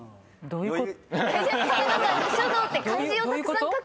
そういうことか。